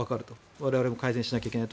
我々も改善しなきゃいけない。